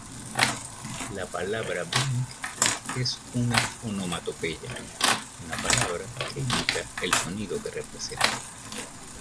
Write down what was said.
La palabra "Bing" es una onomatopeya, una palabra que imita el sonido que representa.